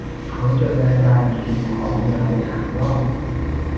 เขาจดรายการสิ่งของยาวเป็นหางว่าว